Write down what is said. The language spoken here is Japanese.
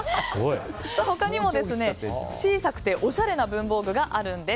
他にも小さくておしゃれな文房具があるんです。